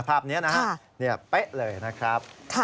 ภาพนี้นะฮะเป๊ะเลยนะครับ